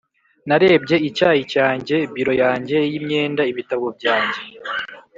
narebye icyayi cyanjye, biro yanjye yimyenda, ibitabo byanjye